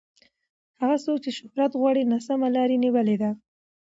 هغه څوک چې شهرت غواړي ناسمه لار یې نیولې ده.